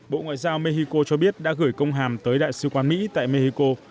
bộ ngoại giao mexico cho biết đã gửi công hàm tới đại sứ quán mỹ tại mexico